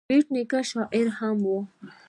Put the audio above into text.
بېټ نیکه شاعر هم و.